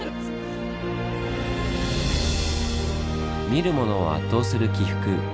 見る者を圧倒する起伏。